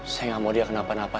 saya nggak mau dia kenapa napa